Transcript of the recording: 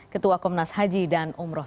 ketua komnas haji dan umroh